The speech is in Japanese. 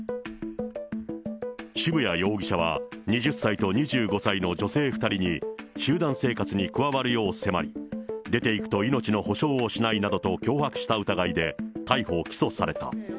渋谷容疑者は、２０歳と２５歳の女性２人に、集団生活に加わるよう迫り、出ていくと命の保証をしないなどと脅迫した疑いで、逮捕・起訴された。